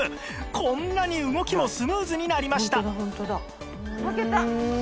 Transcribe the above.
こんなに動きもスムーズになりました